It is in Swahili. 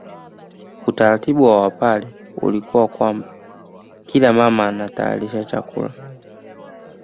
Utaratibu wa Wapare ulikuwa kwamba kila mama anatayarisha chakula